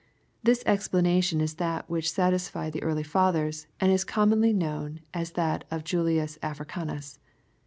This ex planation is that whish satisfied the early' fathers, and is com monly known as that of Julius Africanus.